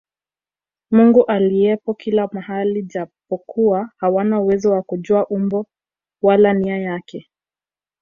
Mungu aliyepo kila mahali japokuwa hawana uwezo wa kujua umbo wala nia yake